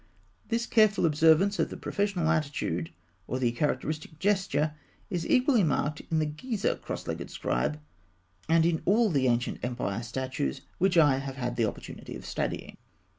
This careful observance of the professional attitude, or the characteristic gesture, is equally marked in the Gizeh Cross legged Scribe, and in all the Ancient Empire statues which I have had an opportunity of studying.